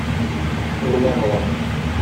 Урман аланы.